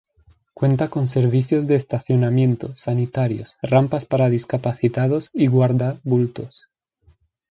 Cuenta con servicios de estacionamiento, sanitarios, rampas para discapacitados y guarda bultos.